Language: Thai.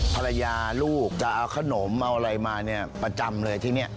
ภรรยาลูกจะเอาขนมเอาอะไรมาประจำเลยที่นี่